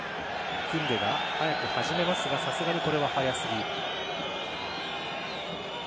クンデが早く始めますがさすがにこれは早すぎ。